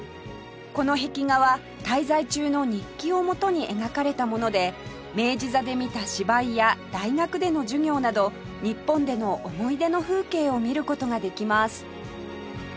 この壁画は滞在中の日記を元に描かれたもので明治座で見た芝居や大学での授業など日本での思い出の風景を見る事ができます